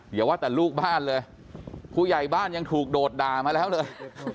อย่าว่าแต่ลูกบ้านเลยผู้ใหญ่บ้านยังถูกโดดด่ามาแล้วเลย